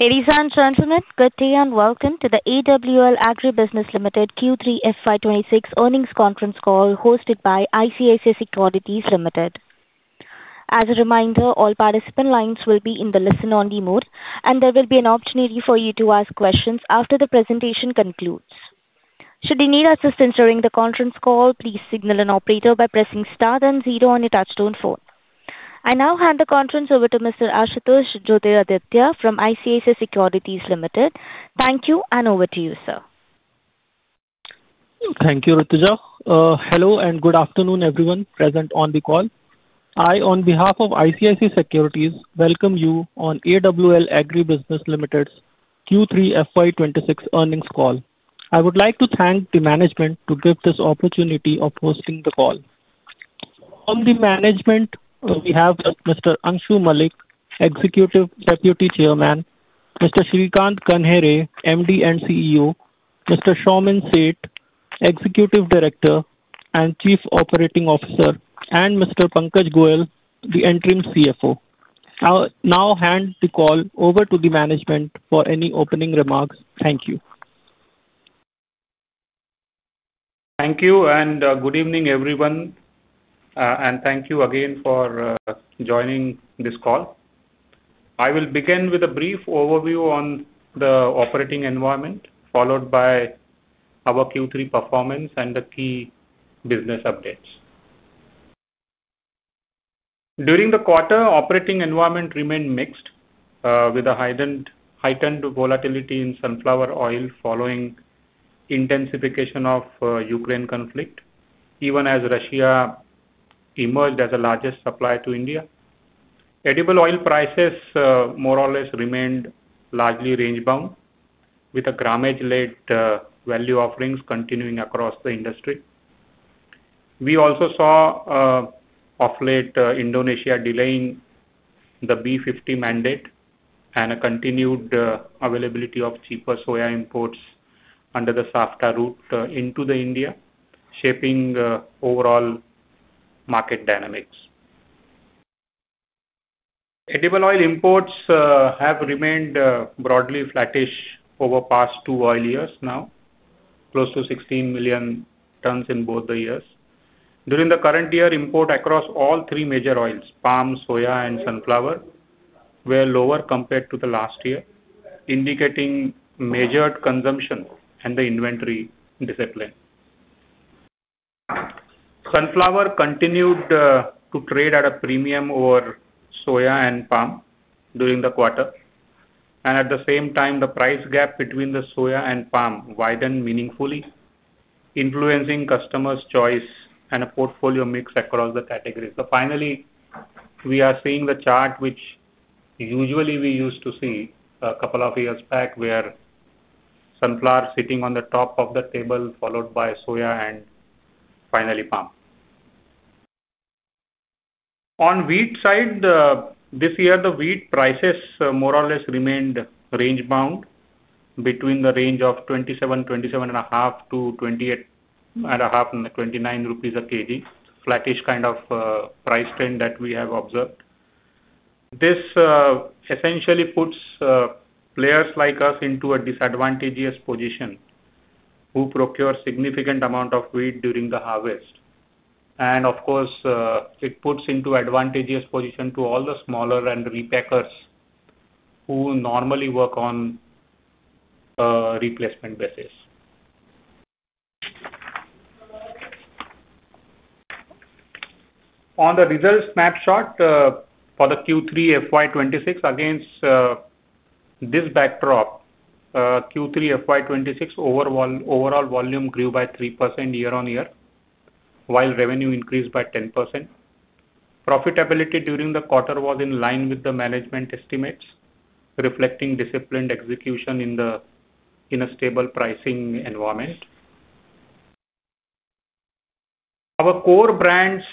Ladies and gentlemen, good day and welcome to the AWL Agri Business Limited Q3 FY 2026 earnings conference call hosted by ICICI Securities Limited. As a reminder, all participant lines will be in the listen-only mode, and there will be an opportunity for you to ask questions after the presentation concludes. Should you need assistance during the conference call, please signal an operator by pressing star then 0 on your touch-tone phone. I now hand the conference over to Mr. Ashutosh Joytiraditya from ICICI Securities Limited. Thank you, and over to you, sir. Thank you, Rituja. Hello and good afternoon, everyone present on the call. I, on behalf of ICICI Securities, welcome you on AWL Agri Business Limited's Q3 FY 2026 earnings call. I would like to thank the management for giving this opportunity of hosting the call. From the management, we have Mr. Angshu Mallick, Executive Deputy Chairman, Mr. Shrikant Kanhere, MD and CEO, Mr. Saumin Sheth, Executive Director and Chief Operating Officer, and Mr. Pankaj Goyal, the interim CFO. I now hand the call over to the management for any opening remarks. Thank you. Thank you, and good evening, everyone. Thank you again for joining this call. I will begin with a brief overview on the operating environment, followed by our Q3 performance and the key business updates. During the quarter, operating environment remained mixed, with a heightened volatility in sunflower oil following the intensification of the Ukraine conflict, even as Russia emerged as the largest supplier to India. Edible oil prices, more or less, remained largely range-bound, with grammage-led value offerings continuing across the industry. We also saw oil-led Indonesia delaying the B50 mandate and a continued availability of cheaper soya imports under the SAFTA route into India, shaping overall market dynamics. Edible oil imports have remained broadly flattish over the past two oil years now, close to 16 million tons in both the years. During the current year, imports across all three major oils—palm, soya, and sunflower—were lower compared to last year, indicating measured consumption and inventory discipline. Sunflower continued to trade at a premium over soya and palm during the quarter, and at the same time, the price gap between the soya and palm widened meaningfully, influencing customers' choice and a portfolio mix across the categories. Finally, we are seeing the chart which usually we used to see a couple of years back, where sunflower was sitting on the top of the table, followed by soya and finally palm. On the wheat side, this year, the wheat prices, more or less, remained range-bound, between the range of 27-27.5 to 28.5-29 rupees a kg, a flattish kind of price trend that we have observed. This essentially puts players like us into a disadvantageous position who procure a significant amount of wheat during the harvest. And of course, it puts into an advantageous position for all the smaller and repackers who normally work on a replacement basis. On the results snapshot for the Q3 FY 2026, against this backdrop, Q3 FY 2026 overall volume grew by 3% year-on-year, while revenue increased by 10%. Profitability during the quarter was in line with the management estimates, reflecting disciplined execution in a stable pricing environment. Our core brands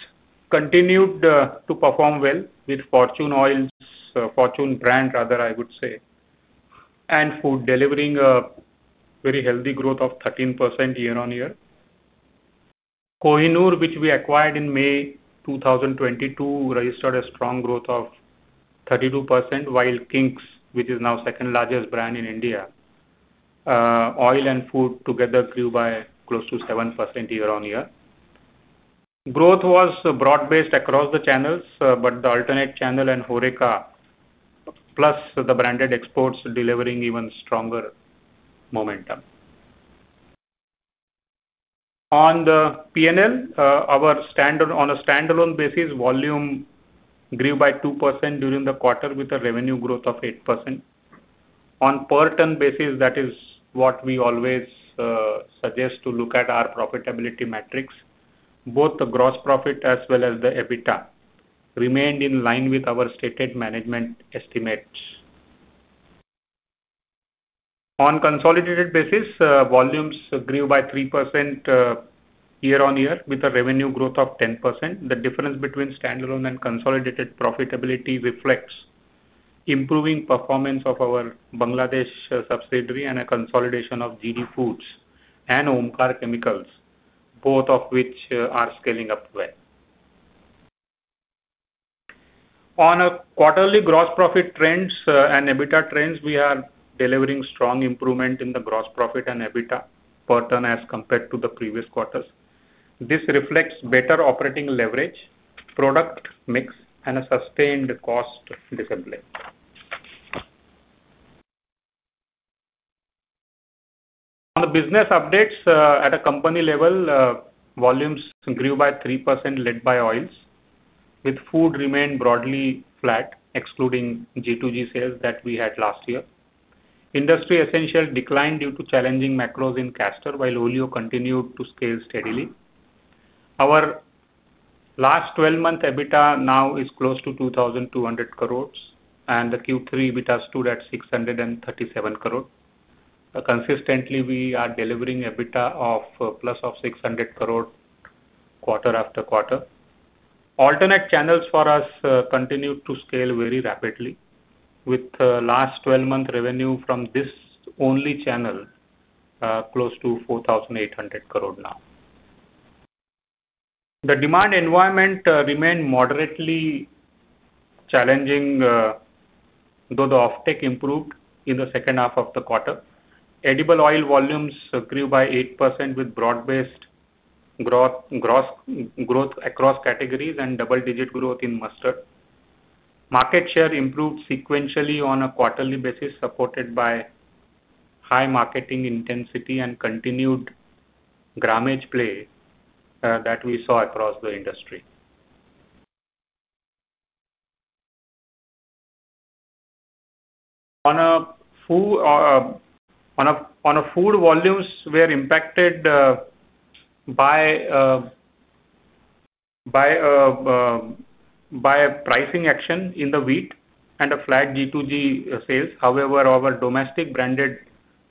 continued to perform well, with Fortune Oil's-Fortune brand, rather, I would say-and Food, delivering a very healthy growth of 13% year-on-year. Kohinoor, which we acquired in May 2022, registered a strong growth of 32%, while King's, which is now the second-largest brand in India, oil and food together grew by close to 7% year-on-year. Growth was broad-based across the channels, but the alternate channel and Horeca, plus the branded exports, delivered even stronger momentum. On the P&L, on a standalone basis, volume grew by 2% during the quarter, with a revenue growth of 8%. On a per-ton basis, that is what we always suggest to look at our profitability metrics. Both the gross profit as well as the EBITDA remained in line with our stated management estimates. On a consolidated basis, volumes grew by 3% year-on-year, with a revenue growth of 10%. The difference between standalone and consolidated profitability reflects improving performance of our Bangladesh subsidiary and a consolidation of GD Foods and Omkar Chemicals, both of which are scaling up well. On quarterly gross profit trends and EBITDA trends, we are delivering strong improvements in the gross profit and EBITDA per ton as compared to the previous quarters. This reflects better operating leverage, product mix, and a sustained cost discipline. On the business updates at a company level, volumes grew by 3%, led by oils, with food remaining broadly flat, excluding G2G sales that we had last year. Industry essentials declined due to challenging macros in castor, while Oleo continued to scale steadily. Our last 12-month EBITDA now is close to 2,200 crores, and the Q3 EBITDA stood at 637 crores. Consistently, we are delivering an EBITDA of 600+ crores quarter after quarter. Alternate channels for us continued to scale very rapidly, with last 12-month revenue from this only channel close to 4,800 crores now. The demand environment remained moderately challenging, though the offtake improved in the second half of the quarter. Edible oil volumes grew by 8%, with broad-based growth across categories and double-digit growth in mustard. Market share improved sequentially on a quarterly basis, supported by high marketing intensity and continued grammage play that we saw across the industry. On food volumes, we were impacted by pricing action in the wheat and flat G2G sales. However, our domestic branded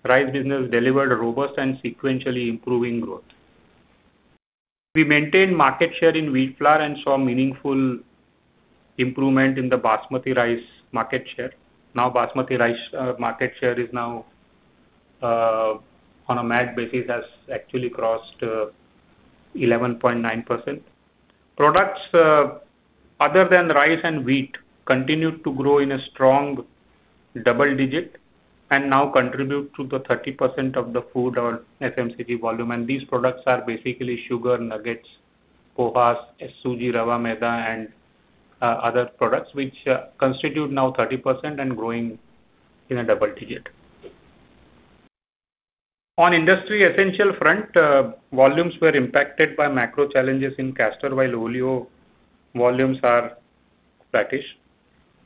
rice business delivered robust and sequentially improving growth. We maintained market share in wheat flour and saw meaningful improvement in the Basmati rice market share. Now, Basmati rice market share is now, on a math basis, actually crossed 11.9%. Products other than rice and wheat continued to grow in a strong double-digit and now contribute to 30% of the food or FMCG volume. These products are basically sugar, nuggets, pohas, suji rava, maida, and other products, which constitute now 30% and are growing in a double-digit. On the industry essentials front, volumes were impacted by macro challenges in castor, while Oleo volumes are flattish.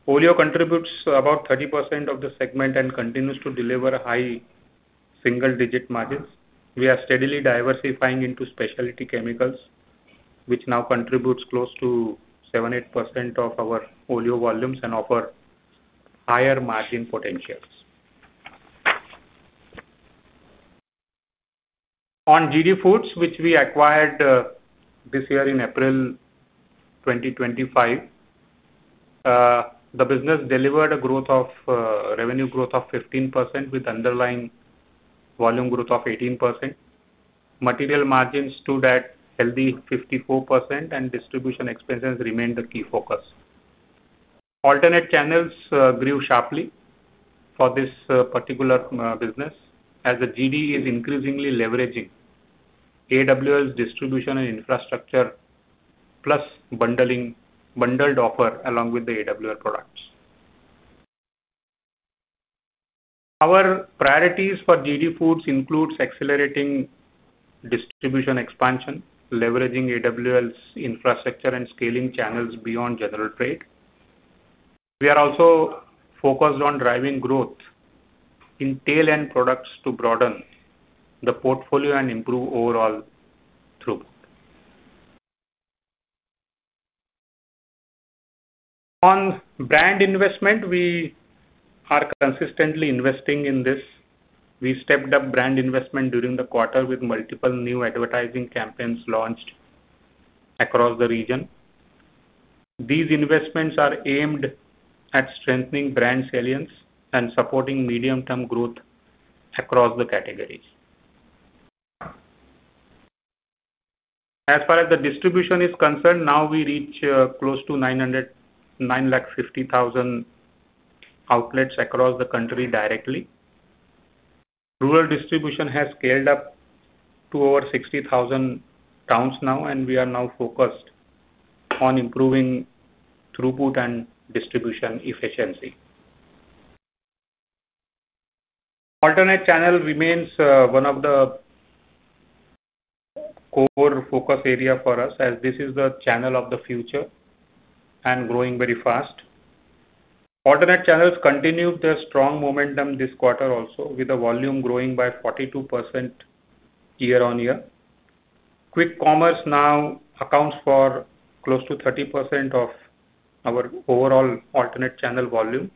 Oleo contributes about 30% of the segment and continues to deliver high single-digit margins. We are steadily diversifying into specialty chemicals, which now contribute close to 7-8% of our Oleo volumes and offer higher margin potentials. On GD Foods, which we acquired this year in April 2025, the business delivered a revenue growth of 15% with underlying volume growth of 18%. Material margins stood at healthy 54%, and distribution expenses remained the key focus. Alternate channels grew sharply for this particular business, as GD is increasingly leveraging AWL's distribution and infrastructure plus bundled offer along with the AWL products. Our priorities for GD Foods include accelerating distribution expansion, leveraging AWL's infrastructure, and scaling channels beyond general trade. We are also focused on driving growth in tail-end products to broaden the portfolio and improve overall throughput. On brand investment, we are consistently investing in this. We stepped up brand investment during the quarter with multiple new advertising campaigns launched across the region. These investments are aimed at strengthening brand salience and supporting medium-term growth across the categories. As far as the distribution is concerned, now we reach close to 950,000 outlets across the country directly. Rural distribution has scaled up to over 60,000 towns now, and we are now focused on improving throughput and distribution efficiency. Alternate channel remains one of the core focus areas for us, as this is the channel of the future and growing very fast. Alternate channels continue their strong momentum this quarter also, with volume growing by 42% year-on-year. Quick commerce now accounts for close to 30% of our overall alternate channel volumes,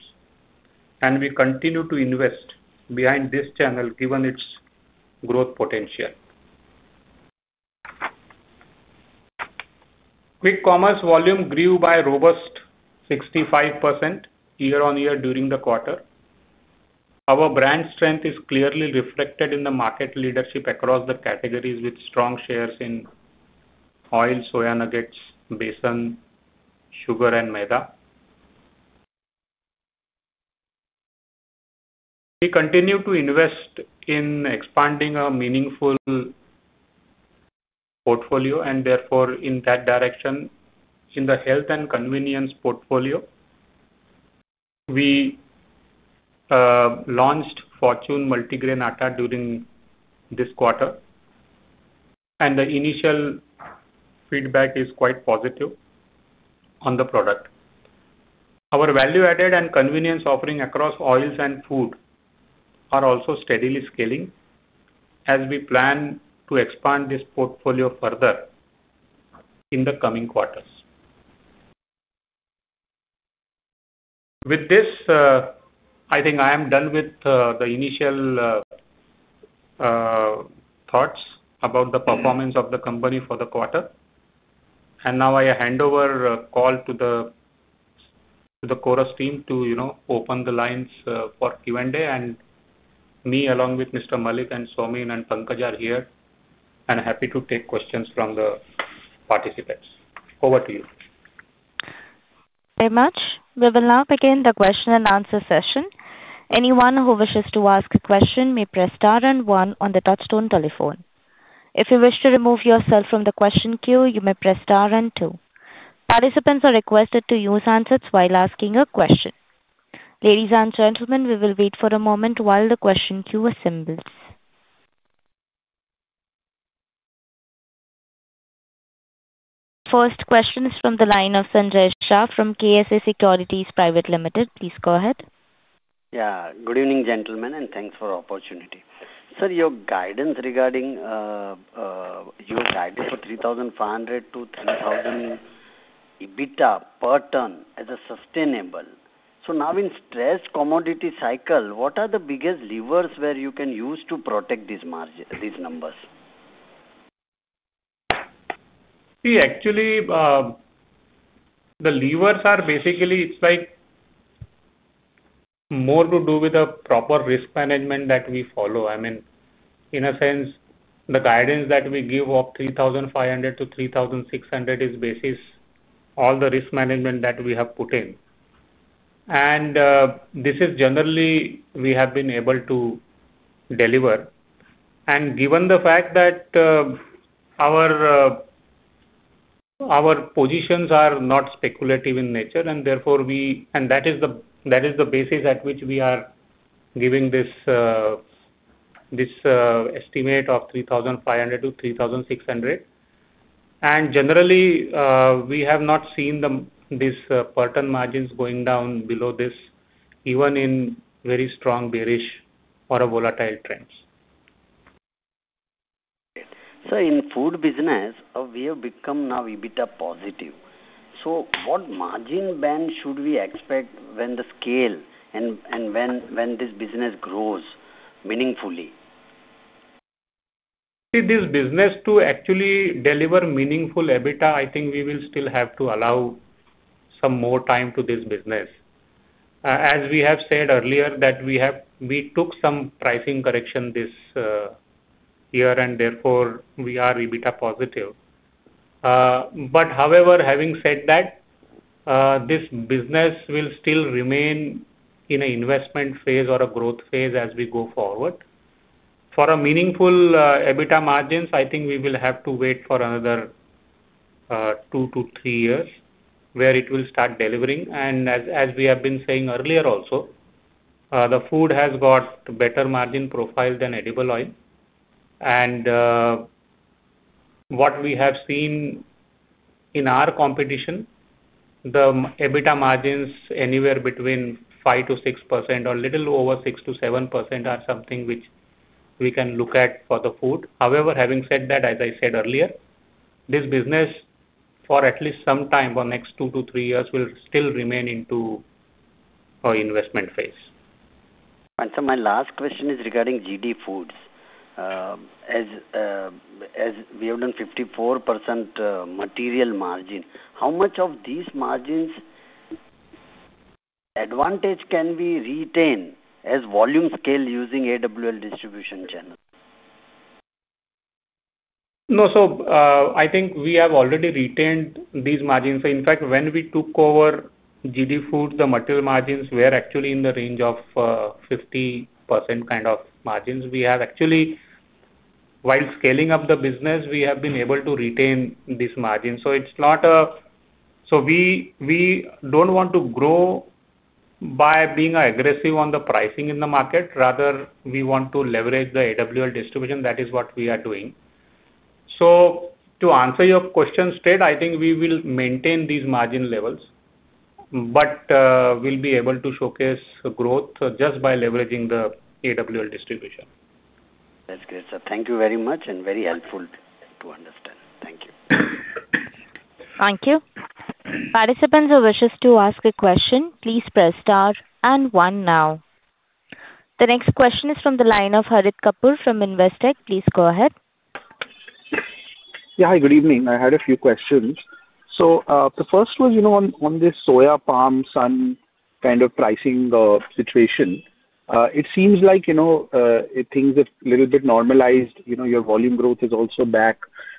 and we continue to invest behind this channel given its growth potential. Quick commerce volume grew by a robust 65% year-on-year during the quarter. Our brand strength is clearly reflected in the market leadership across the categories, with strong shares in oil, soya nuggets, besan, sugar, and maida. We continue to invest in expanding our meaningful portfolio and, therefore, in that direction, in the health and convenience portfolio. We launched Fortune Multigrain Atta during this quarter, and the initial feedback is quite positive on the product. Our value-added and convenience offerings across oils and food are also steadily scaling, as we plan to expand this portfolio further in the coming quarters. With this, I think I am done with the initial thoughts about the performance of the company for the quarter. And now I hand over the call to the Chorus Call team to open the lines for Q&A. And me, along with Mr. Mallick and Saumin and Pankaj, are here and happy to take questions from the participants. Over to you. Very much. We will now begin the question-and-answer session. Anyone who wishes to ask a question may press star and one on the touch-tone telephone. If you wish to remove yourself from the question queue, you may press star and two. Participants are requested to use handsets while asking a question. Ladies and gentlemen, we will wait for a moment while the question queue assembles. First question is from the line of Sanjay Shah from KSA Securities Pvt Ltd. Please go ahead. Yeah. Good evening, gentlemen, and thanks for the opportunity. Sir, your guidance regarding your guidance for 3,500-3,000 EBITDA per ton as a sustainable so now, in the stressed commodity cycle, what are the biggest levers where you can use to protect these numbers? See, actually, the levers are basically more to do with the proper risk management that we follow. I mean, in a sense, the guidance that we give of 3,500-3,600 is based on all the risk management that we have put in. This is generally what we have been able to deliver. Given the fact that our positions are not speculative in nature, and therefore, we and that is the basis at which we are giving this estimate of 3,500-3,600. Generally, we have not seen these per ton margins going down below this, even in very strong bearish or volatile trends. Sir, in the food business, we have become now EBITDA positive. What margin band should we expect when the scale and when this business grows meaningfully? See, this business to actually deliver meaningful EBITDA, I think we will still have to allow some more time to this business. As we have said earlier, we took some pricing correction this year, and therefore, we are EBITDA positive. But however, having said that, this business will still remain in an investment phase or a growth phase as we go forward. For meaningful EBITDA margins, I think we will have to wait for another two to three years where it will start delivering. And as we have been saying earlier also, the food has got a better margin profile than edible oil. And what we have seen in our competition, the EBITDA margins anywhere between 5%-6% or a little over 6%-7% are something which we can look at for the food. However, having said that, as I said earlier, this business, for at least some time in the next 2-3 years, will still remain in an investment phase. My last question is regarding GD Foods. As we have done 54% material margin, how much of these margins' advantage can we retain as volume scale using AWL distribution channels? No, so I think we have already retained these margins. In fact, when we took over GD Foods, the material margins were actually in the range of 50% kind of margins. Actually, while scaling up the business, we have been able to retain these margins. So it's not, so we don't want to grow by being aggressive on the pricing in the market. Rather, we want to leverage the AWL distribution. That is what we are doing. So to answer your question straight, I think we will maintain these margin levels but will be able to showcase growth just by leveraging the AWL distribution. That's good. So thank you very much, and very helpful to understand. Thank you. Thank you. Participants who wish to ask a question, please press star and one now. The next question is from the line of Harit Kapoor from Investec. Please go ahead. Yeah. Hi. Good evening. I had a few questions. So the first was on this soya, palm, sun kind of pricing situation. It seems like things are a little bit normalized. Your volume growth is also back.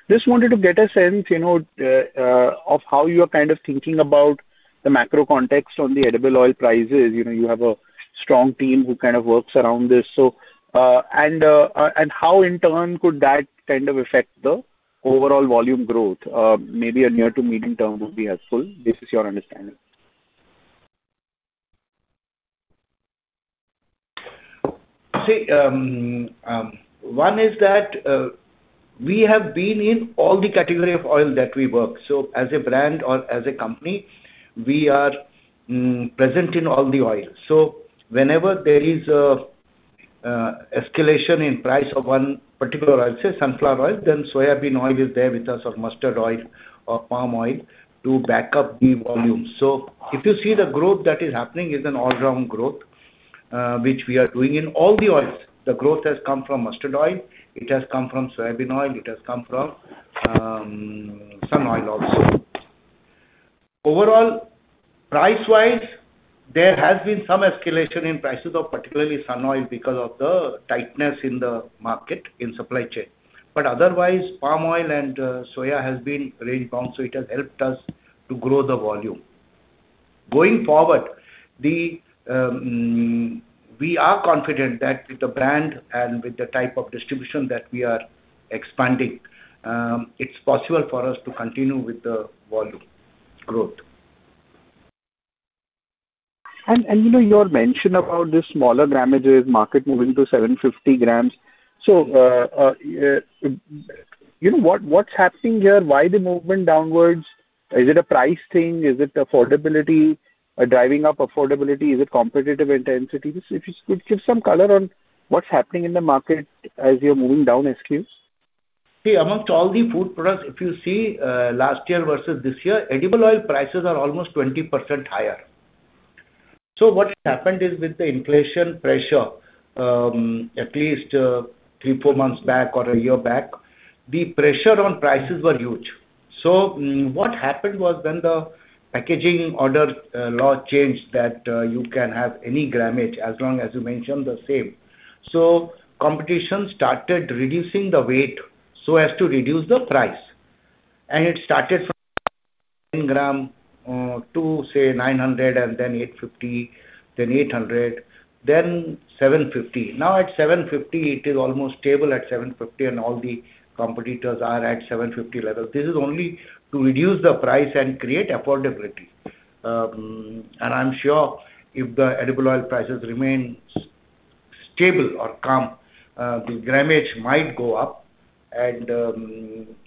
Just wanted to get a sense of how you are kind of thinking about the macro context on the edible oil prices. You have a strong team who kind of works around this. And how, in turn, could that kind of affect the overall volume growth? Maybe a near to medium term would be helpful. This is your understanding. See, one is that we have been in all the categories of oil that we work. So as a brand or as a company, we are present in all the oils. So whenever there is an escalation in the price of one particular oil, say sunflower oil, then soya oil is there with us, or mustard oil, or palm oil to back up the volume. So if you see the growth that is happening, it's an all-round growth which we are doing. In all the oils, the growth has come from mustard oil. It has come from soya oil. It has come from sun oil also. Overall, price-wise, there has been some escalation in prices of particularly sun oil because of the tightness in the market, in the supply chain. But otherwise, palm oil and soya have been range-bound, so it has helped us to grow the volume. Going forward, we are confident that with the brand and with the type of distribution that we are expanding, it's possible for us to continue with the volume growth. Your mention about the smaller grammages, market moving to 750 grams. So what's happening here? Why the movement downwards? Is it a price thing? Is it affordability driving up affordability? Is it competitive intensity? If you could give some color on what's happening in the market as you're moving down SKUs. See, among all the food products, if you see last year versus this year, edible oil prices are almost 20% higher. So what happened is with the inflation pressure, at least three, four months back or a year back, the pressure on prices was huge. So what happened was when the packaging order law changed that you can have any grammage, as long as you mentioned the same. So competition started reducing the weight so as to reduce the price. And it started from 10 grams to, say, 900, and then 850, then 800, then 750. Now, at 750, it is almost stable at 750, and all the competitors are at 750 levels. This is only to reduce the price and create affordability. And I'm sure if the edible oil prices remain stable or calm, the grammage might go up, and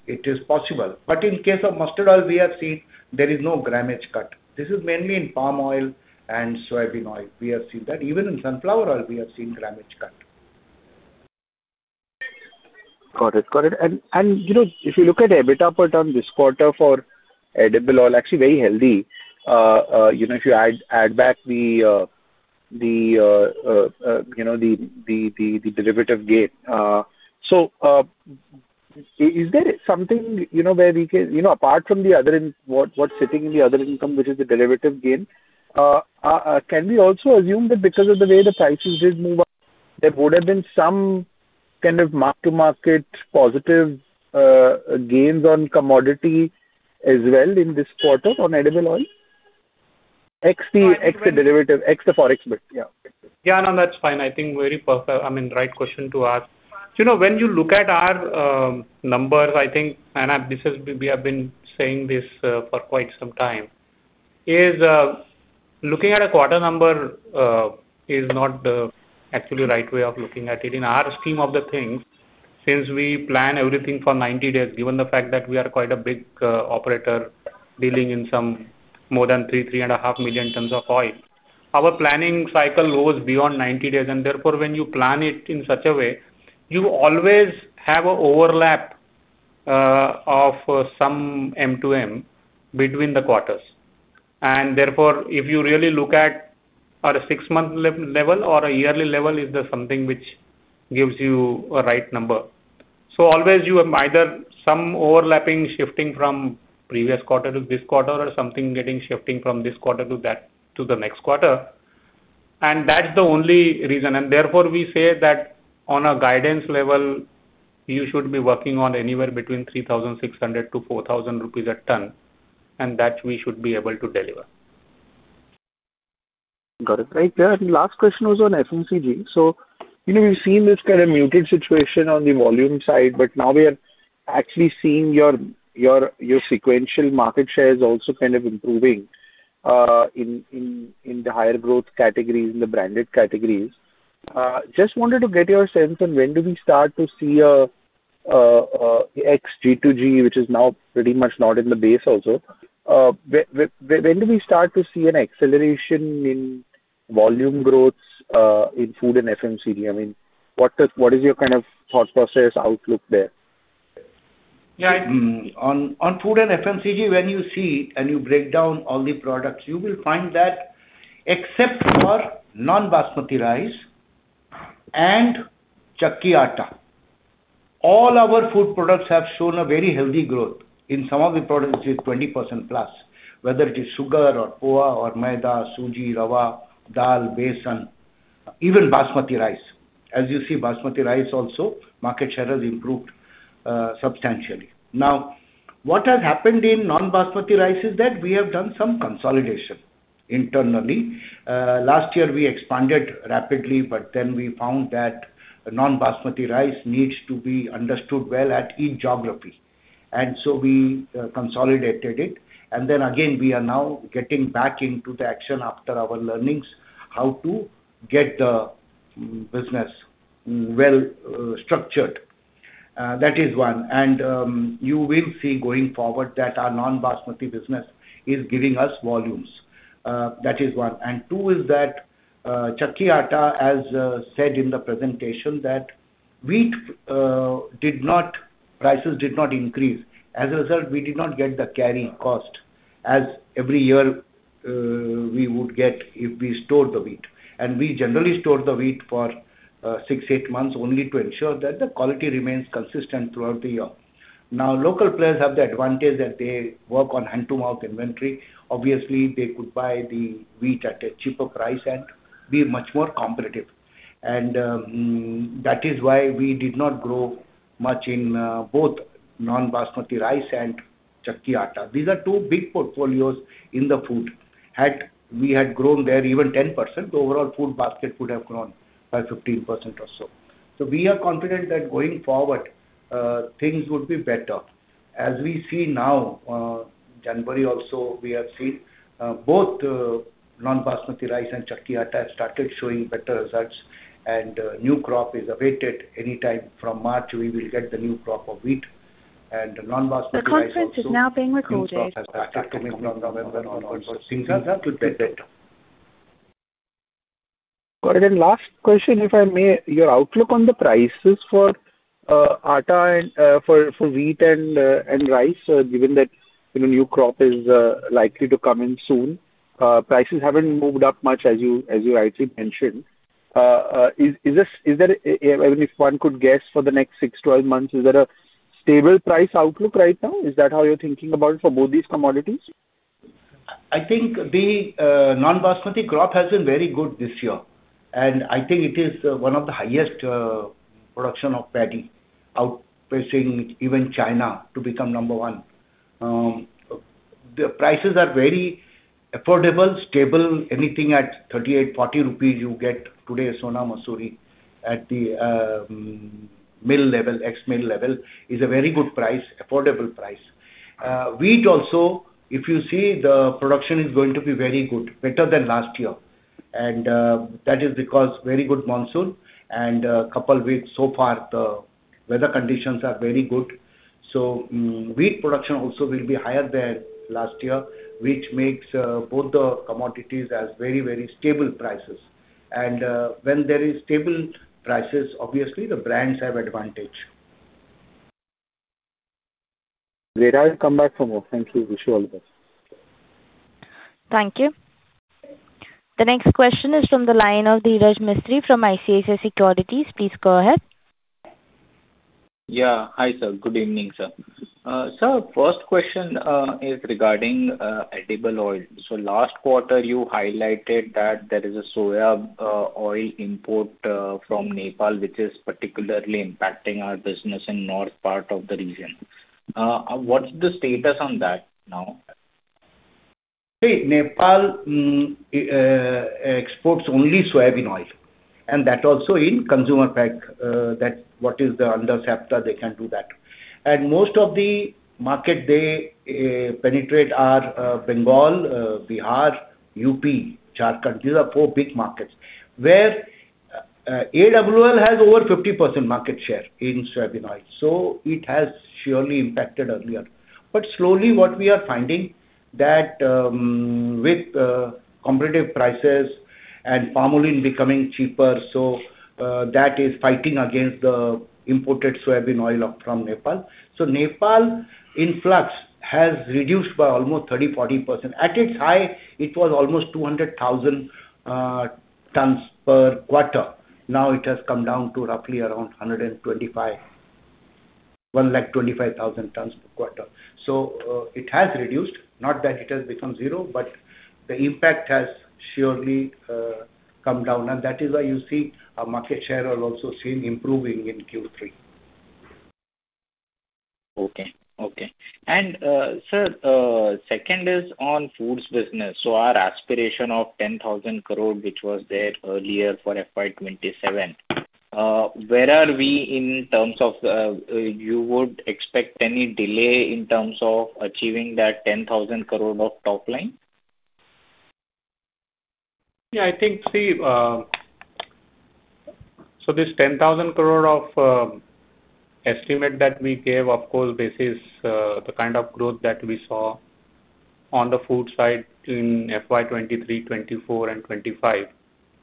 it is possible. But in the case of mustard oil, we have seen there is no grammage cut. This is mainly in palm oil and soya oil. We have seen that. Even in sunflower oil, we have seen grammage cut. Got it. Got it. And if you look at EBITDA per ton this quarter for edible oil, actually very healthy, if you add back the derivative gain. So is there something where we can apart from what's sitting in the other income, which is the derivative gain, can we also assume that because of the way the prices did move up, there would have been some kind of mark-to-market positive gains on commodity as well in this quarter on edible oil? Ex the derivative, ex the forex bit. Yeah. Yeah. No, that's fine. I think very perfect, I mean, right question to ask. When you look at our numbers, I think and this is we have been saying this for quite some time, is looking at a quarter number is not the actually right way of looking at it. In our scheme of the things, since we plan everything for 90 days, given the fact that we are quite a big operator dealing in more than 3.5 million tons of oil, our planning cycle goes beyond 90 days. And therefore, when you plan it in such a way, you always have an overlap of some M to M between the quarters. And therefore, if you really look at a six-month level or a yearly level, is there something which gives you a right number? So always, you have either some overlapping shifting from previous quarter to this quarter or something getting shifting from this quarter to the next quarter. That's the only reason. Therefore, we say that on a guidance level, you should be working on anywhere between 3,600-4,000 rupees a ton, and that we should be able to deliver. Got it. Right. And the last question was on FMCG. So we've seen this kind of muted situation on the volume side, but now we are actually seeing your sequential market share is also kind of improving in the higher growth categories, in the branded categories. Just wanted to get your sense on when do we start to see an ex G to G, which is now pretty much not in the base also, when do we start to see an acceleration in volume growths in food and FMCG? I mean, what is your kind of thought process outlook there? Yeah. On food and FMCG, when you see and you break down all the products, you will find that except for non-Basmati rice and chakki atta, all our food products have shown a very healthy growth. In some of the products, it's 20%+, whether it is sugar or Poha or Maida, Suji, Rava, dal, besan, even Basmati rice. As you see, Basmati rice also, market share has improved substantially. Now, what has happened in non-Basmati rice is that we have done some consolidation internally. Last year, we expanded rapidly, but then we found that non-Basmati rice needs to be understood well at each geography. And so we consolidated it. And then again, we are now getting back into the action after our learnings how to get the business well-structured. That is one. And you will see going forward that our non-Basmati business is giving us volumes. That is one. Two is that chakki atta, as said in the presentation, that wheat prices did not increase. As a result, we did not get the carry cost as every year we would get if we stored the wheat. We generally stored the wheat for 6-8 months only to ensure that the quality remains consistent throughout the year. Now, local players have the advantage that they work on hand-to-mouth inventory. Obviously, they could buy the wheat at a cheaper price and be much more competitive. That is why we did not grow much in both non-Basmati rice and chakki atta. These are two big portfolios in the food. Had we had grown there even 10%, the overall food basket would have grown by 15% or so. We are confident that going forward, things would be better. As we see now, January also, we have seen both non-Basmati rice and chakki atta have started showing better results. New crop is awaited anytime. From March, we will get the new crop of wheat. Non-Basmati rice will be better. The conference is now being recorded. The conference is now being recorded. Things are a little bit better. Got it. Last question, if I may, your outlook on the prices for wheat and rice, given that new crop is likely to come in soon, prices haven't moved up much, as you rightly mentioned. Is there a, even if one could guess for the next six, 12 months, is there a stable price outlook right now? Is that how you're thinking about it for both these commodities? I think the non-Basmati crop has been very good this year. I think it is one of the highest production of paddy, outpacing even China to become number one. The prices are very affordable, stable. Anything at 38-40 rupees, you get today, Sona Masoori, at the mill level, ex-mill level, is a very good price, affordable price. Wheat also, if you see, the production is going to be very good, better than last year. That is because very good monsoon and a couple of weeks so far, the weather conditions are very good. So wheat production also will be higher than last year, which makes both the commodities as very, very stable prices. When there are stable prices, obviously, the brands have advantage. Very nice. Come back for more. Thank you. Wish you all the best. Thank you. The next question is from the line of Dhiraj Mistry from ICICI Securities. Please go ahead. Yeah. Hi, sir. Good evening, sir. Sir, first question is regarding edible oil. So last quarter, you highlighted that there is a soya oil import from Nepal, which is particularly impacting our business in the north part of the region. What's the status on that now? See, Nepal exports only soya oil. And that also in consumer pack, what is the under-sector, they can do that. And most of the market they penetrate are Bengal, Bihar, UP, Jharkhand. These are four big markets where AWL has over 50% market share in soya oil. So it has surely impacted earlier. But slowly, what we are finding that with competitive prices and palm oil becoming cheaper, so that is fighting against the imported soya oil from Nepal. So Nepal influx has reduced by almost 30%-40%. At its high, it was almost 200,000 tons per quarter. Now, it has come down to roughly around 125,000 tons per quarter. So it has reduced. Not that it has become zero, but the impact has surely come down. And that is why you see our market share also seen improving in Q3. Okay. Okay. And sir, second is on foods business. So our aspiration of 10,000 crore, which was there earlier for FY27, where are we in terms of you would expect any delay in terms of achieving that 10,000 crore of top line? Yeah. I think, see, so this 10,000 crore estimate that we gave, of course, bases the kind of growth that we saw on the food side in FY 2023, 2024, and 2025.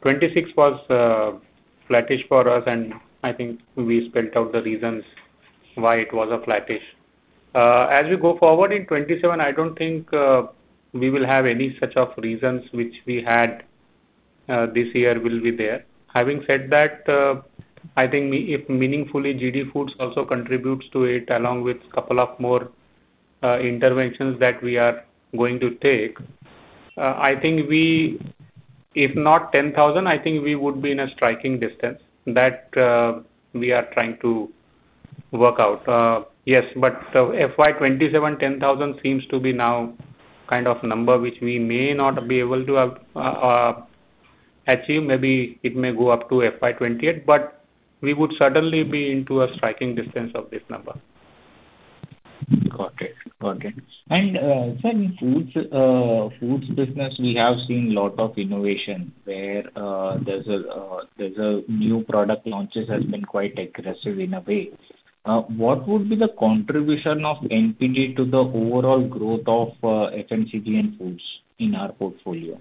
2026 was flattish for us, and I think we spelled out the reasons why it was flattish. As we go forward in 2027, I don't think we will have any such reasons which we had this year will be there. Having said that, I think if meaningfully GD Foods also contributes to it along with a couple of more interventions that we are going to take, I think we if not 10,000, I think we would be in a striking distance that we are trying to work out. Yes. But FY 2027, 10,000 crore seems to be now kind of number which we may not be able to achieve. Maybe it may go up to FY 2028, but we would suddenly be into a striking distance of this number. Got it. Got it. And sir, in foods business, we have seen a lot of innovation where there's a new product launches has been quite aggressive in a way. What would be the contribution of NPD to the overall growth of FMCG and foods in our portfolio?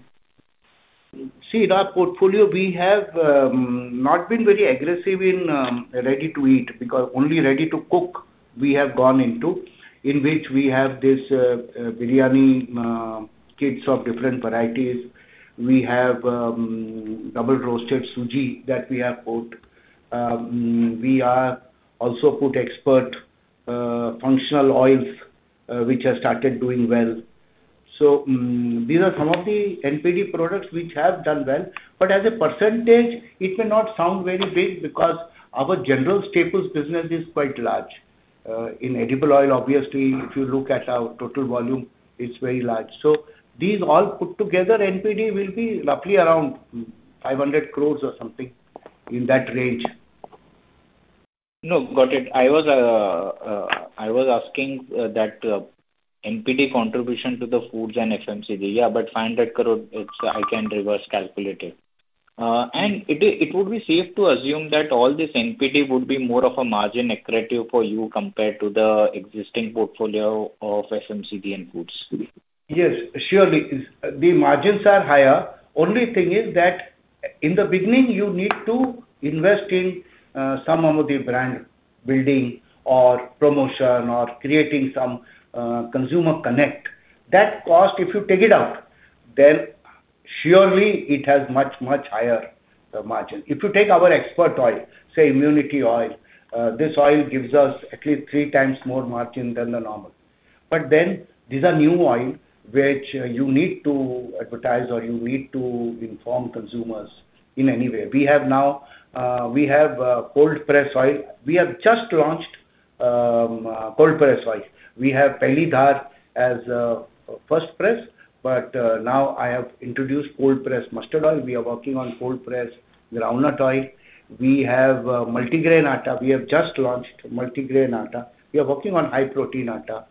See, in our portfolio, we have not been very aggressive in ready-to-eat because only ready-to-cook we have gone into, in which we have these biryani kits of different varieties. We have double-roasted suji that we have put. We also put Xpert functional oils, which have started doing well. So these are some of the NPD products which have done well. But as a percentage, it may not sound very big because our general staples business is quite large. In edible oil, obviously, if you look at our total volume, it's very large. So these all put together, NPD will be roughly around 500 crores or something in that range. No. Got it. I was asking that NPD contribution to the foods and FMCG. Yeah. But 500 crore, I can reverse calculate. And it would be safe to assume that all this NPD would be more of a margin accretive for you compared to the existing portfolio of FMCG and foods? Yes. Surely. The margins are higher. The only thing is that in the beginning, you need to invest in some of the brand building or promotion or creating some consumer connect. That cost, if you take it out, then surely it has much, much higher margin. If you take our Xpert oil, say immunity oil, this oil gives us at least 3x more margin than the normal. These are new oil which you need to advertise or you need to inform consumers in any way. We have now cold-press oil. We have just launched cold-press oil. We have Pehli Dhaar as first press. Now, I have introduced cold-press mustard oil. We are working on cold-press groundnut oil. We have multigrain atta. We have just launched multigrain atta. We are working on high-protein atta.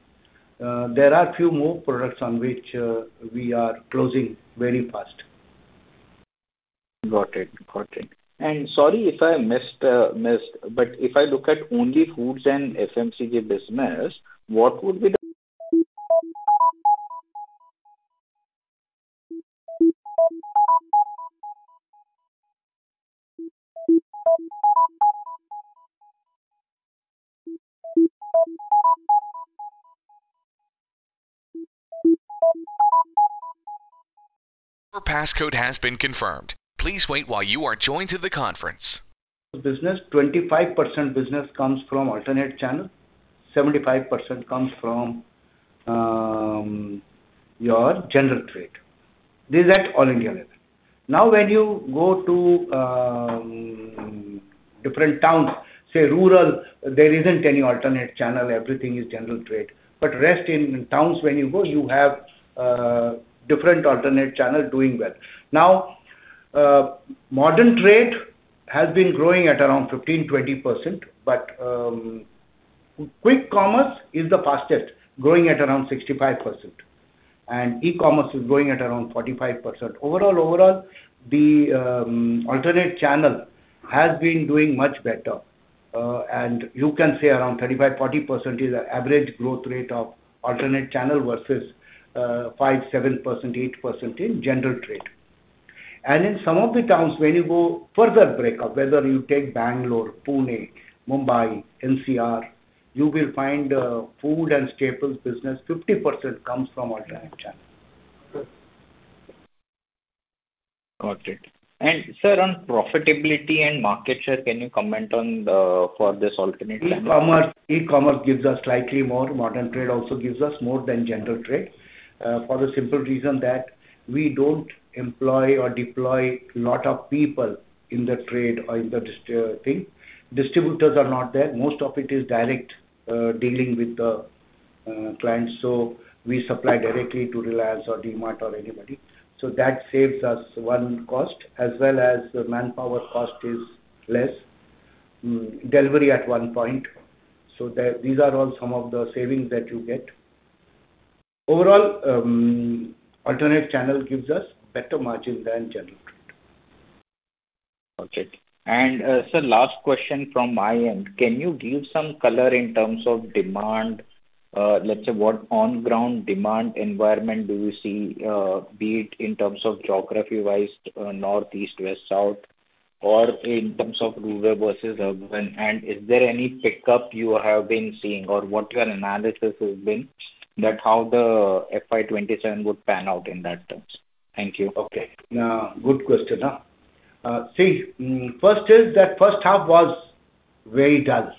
There are a few more products on which we are closing very fast. Got it. Got it. Sorry if I missed, but if I look at only foods and FMCG business, what would be the? Your passcode has been confirmed. Please wait while you are joined to the conference. Business, 25% business comes from alternate channel, 75% comes from your general trade. These are at all India level. Now, when you go to different towns, say rural, there isn't any alternate channel. Everything is general trade. But rest in towns, when you go, you have different alternate channel doing well. Now, modern trade has been growing at around 15%-20%. But quick commerce is the fastest, growing at around 65%. And e-commerce is growing at around 45%. Overall, overall, the alternate channel has been doing much better. And you can say around 35%-40% is the average growth rate of alternate channel versus 5%-8% in general trade. And in some of the towns, when you go further breakup, whether you take Bangalore, Pune, Mumbai, NCR, you will find food and staples business, 50% comes from alternate channel. Got it. Sir, on profitability and market share, can you comment on for this alternate channel? E-commerce gives us slightly more. Modern Trade also gives us more than General Trade for the simple reason that we don't employ or deploy a lot of people in the trade or in the thing. Distributors are not there. Most of it is direct dealing with the clients. So we supply directly to Reliance or DMart or anybody. So that saves us one cost, as well as the manpower cost is less, delivery at one point. So these are all some of the savings that you get. Overall, alternate channel gives us better margin than General Trade. Got it. Sir, last question from my end. Can you give some color in terms of demand? Let's say, what on-ground demand environment do you see, be it in terms of geography-wise, north, east, west, south, or in terms of rural versus urban? And is there any pickup you have been seeing or what your analysis has been that how the FY 2027 would pan out in that terms? Thank you. Okay. Good question, huh? See, first is that first half was very dull.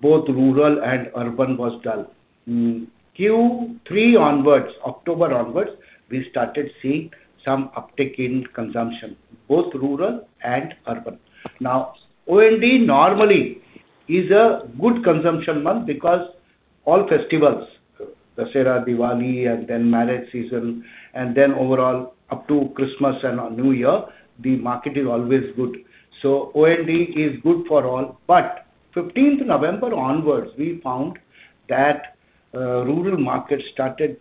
Both rural and urban was dull. Q3 onwards, October onwards, we started seeing some uptick in consumption, both rural and urban. Now, OND normally is a good consumption month because all festivals, Dussehra, Diwali, and then marriage season, and then overall, up to Christmas and New Year, the market is always good. So OND is good for all. But 15th November onwards, we found that rural market started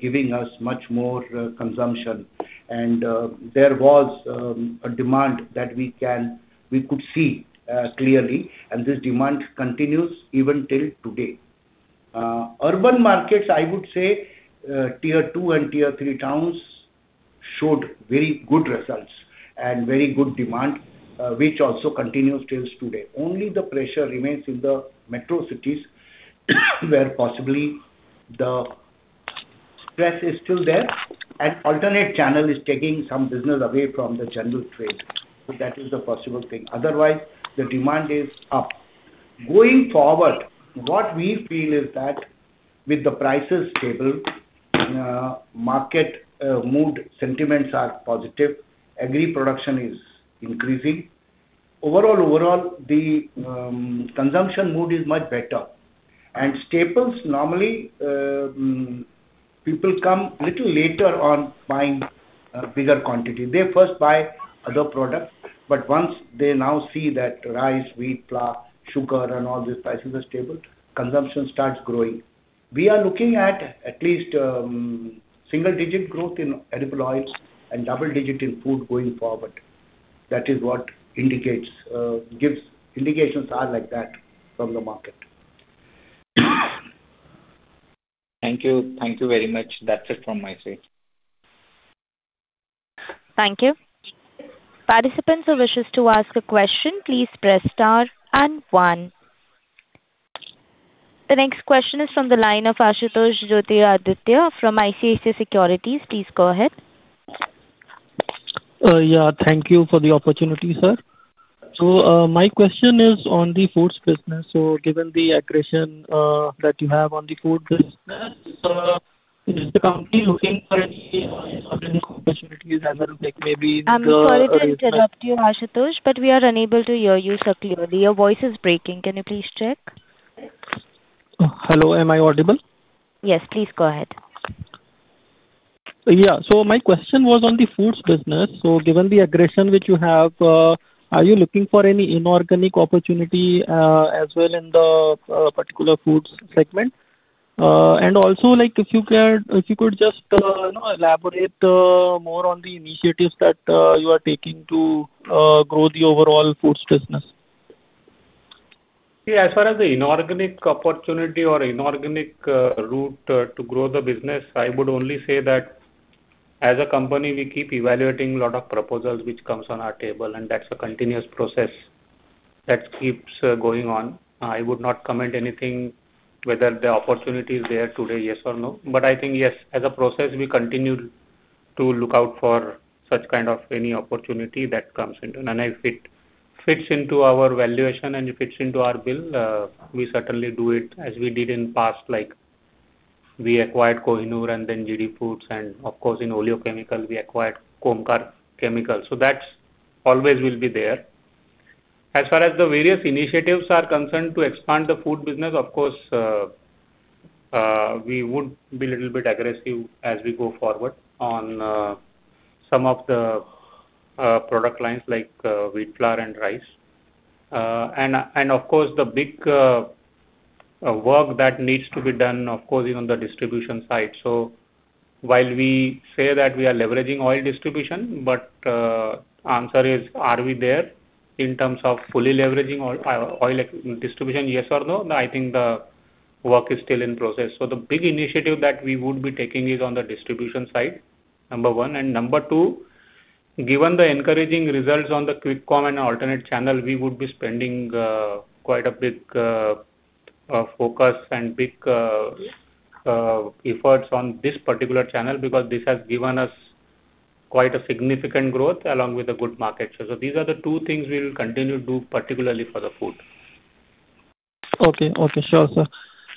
giving us much more consumption. And there was a demand that we could see clearly. And this demand continues even till today. Urban markets, I would say, tier two and tier three towns showed very good results and very good demand, which also continues till today. Only the pressure remains in the metro cities where possibly the stress is still there, and alternate channel is taking some business away from the general trade. So that is the possible thing. Otherwise, the demand is up. Going forward, what we feel is that with the prices stable, market mood sentiments are positive. Agri production is increasing. Overall, overall, the consumption mood is much better. And staples, normally, people come a little later on buying bigger quantity. They first buy other products. But once they now see that rice, wheat, flour, sugar, and all these prices are stable, consumption starts growing. We are looking at at least single-digit growth in edible oil and double-digit in food going forward. That is what indicates gives indications are like that from the market. Thank you. Thank you very much. That's it from my side. Thank you. Participants who wish to ask a question, please press star and one. The next question is from the line of Ashutosh Joytiraditya from ICICI Securities. Please go ahead. Yeah. Thank you for the opportunity, sir. My question is on the foods business. Given the aggression that you have on the food business, is the company looking for any other opportunities as well as maybe the? I'm sorry to interrupt you, Ashutosh, but we are unable to hear you so clearly. Your voice is breaking. Can you please check? Hello. Am I audible? Yes. Please go ahead. Yeah. My question was on the foods business. Given the aggression which you have, are you looking for any inorganic opportunity as well in the particular foods segment? Also, if you could just elaborate more on the initiatives that you are taking to grow the overall foods business. See, as far as the inorganic opportunity or inorganic route to grow the business, I would only say that as a company, we keep evaluating a lot of proposals which comes on our table. And that's a continuous process that keeps going on. I would not comment anything whether the opportunity is there today, yes or no. But I think, yes, as a process, we continue to look out for such kind of any opportunity that comes into. And if it fits into our valuation and it fits into our bill, we certainly do it as we did in the past. We acquired Kohinoor and then GD Foods. And of course, in oleochemicals, we acquired Omkar Chemical. So that always will be there. As far as the various initiatives are concerned to expand the food business, of course, we would be a little bit aggressive as we go forward on some of the product lines like wheat, flour, and rice. And of course, the big work that needs to be done, of course, even on the distribution side. So while we say that we are leveraging oil distribution, but answer is, are we there in terms of fully leveraging oil distribution, yes or no? I think the work is still in process. So the big initiative that we would be taking is on the distribution side, number one. And number two, given the encouraging results on the quick commerce and alternate channel, we would be spending quite a big focus and big efforts on this particular channel because this has given us quite a significant growth along with a good market share. These are the two things we will continue to do particularly for the food. Okay. Okay. Sure, sir.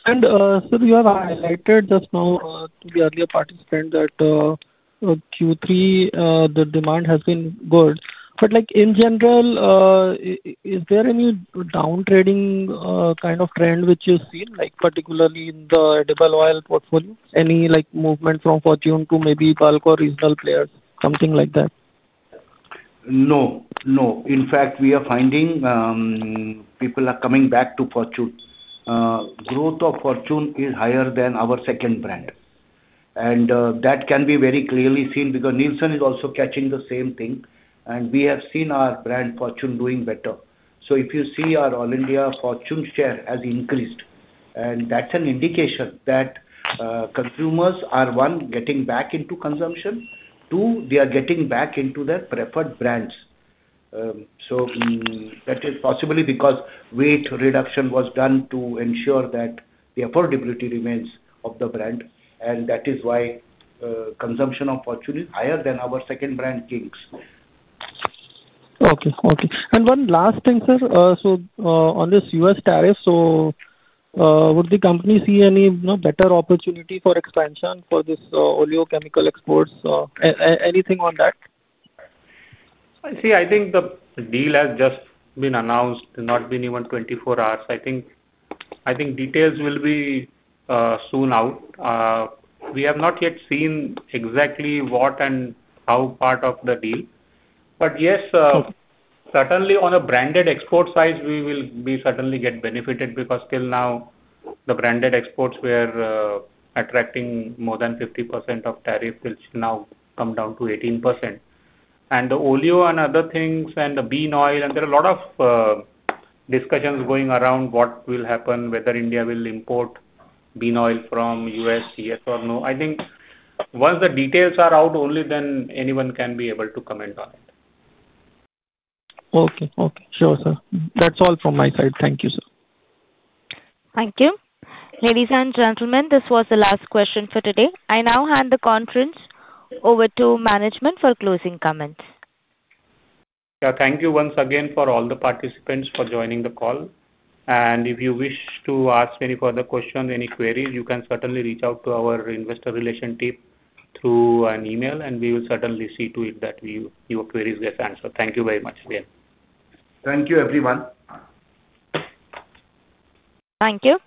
And sir, you have highlighted just now to the earlier participant that Q3, the demand has been good. But in general, is there any downtrading kind of trend which you've seen, particularly in the edible oil portfolio? Any movement from Fortune to maybe Bulk or regional players, something like that? No. No. In fact, we are finding people are coming back to Fortune. Growth of Fortune is higher than our second brand. That can be very clearly seen because Nielsen is also catching the same thing. We have seen our brand, Fortune, doing better. If you see our All India Fortune share has increased, and that's an indication that consumers are, one, getting back into consumption. Two, they are getting back into their preferred brands. That is possibly because weight reduction was done to ensure that the affordability remains of the brand. That is why consumption of Fortune is higher than our second brand, King's. Okay. Okay. And one last thing, sir. So on this U.S. tariff, so would the company see any better opportunity for expansion for this oleochemical exports? Anything on that? See, I think the deal has just been announced. It's not been even 24 hours. I think details will be soon out. We have not yet seen exactly what and how part of the deal. But yes, certainly, on a branded export side, we will certainly get benefited because till now, the branded exports were attracting more than 50% of tariff, which now come down to 18%. And the oleo and other things and the bean oil, and there are a lot of discussions going around what will happen, whether India will import bean oil from U.S., yes or no. I think once the details are out only, then anyone can be able to comment on it. Okay. Okay. Sure, sir. That's all from my side. Thank you, sir. Thank you. Ladies and gentlemen, this was the last question for today. I now hand the conference over to management for closing comments. Yeah. Thank you once again for all the participants for joining the call. And if you wish to ask any further questions, any queries, you can certainly reach out to our investor relationship team through an email, and we will certainly see to it that your queries get answered. Thank you very much again. Thank you, everyone. Thank you.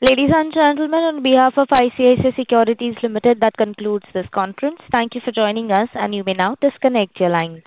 Ladies and gentlemen, on behalf of ICICI Securities Limited, that concludes this conference. Thank you for joining us, and you may now disconnect your lines.